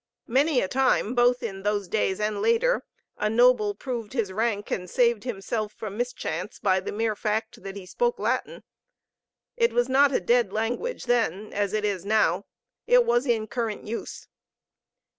Many a time, both in those days and later; a noble proved his rank and saved himself from mischance by the mere fact that he spoke Latin. It was not a dead language then, as it is now. It was in current use.